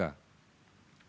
mari kita berkata